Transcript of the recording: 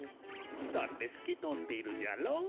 だってすきとおっているじゃろう？